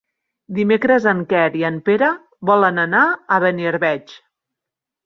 Dimecres en Quer i en Pere volen anar a Beniarbeig.